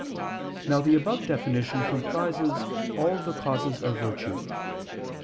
Now the above definition comprises all the causes of virtue.